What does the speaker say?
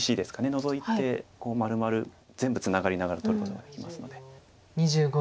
ノゾいてまるまる全部ツナがりながら取ることができますので。